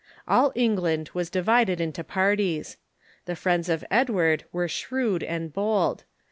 All England was divided into parties. The friends of Edward were' shrewd and bold.